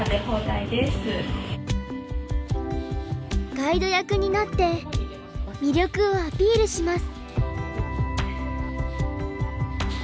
ガイド役になって魅力をアピールします。